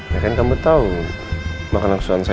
ya kan kamu tau makanan kesuatan itu